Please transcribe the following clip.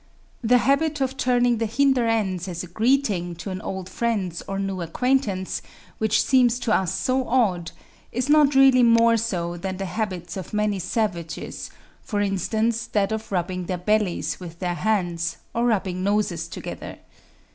The habit of turning the hinder ends as a greeting to an old friend or new acquaintance, which seems to us so odd, is not really more so than the habits of many savages, for instance that of rubbing their bellies with their hands, or rubbing noses together.